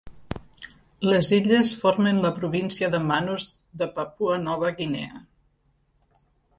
Les illes formen la província de Manus de Papua Nova Guinea.